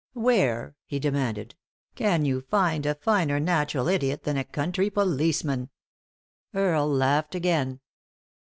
"Where," he demanded, "can you find a finer natural idiot than a country policeman ?" Earle laughed again.